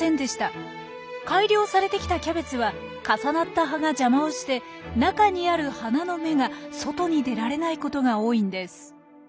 改良されてきたキャベツは重なった葉が邪魔をして中にある花の芽が外に出られないことが多いんです。